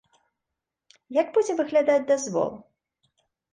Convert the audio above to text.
Як будзе выглядаць дазвол?